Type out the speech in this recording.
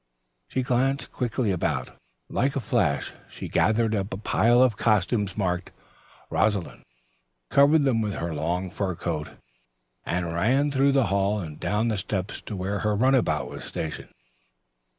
She glanced quickly about. Like a flash she gathered up a pile of costumes marked "Rosalind," covered them with her long fur coat and ran through the hall and down the steps to where her runabout was stationed.